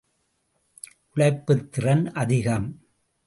உழைப்புத் திறன் அதிகம்.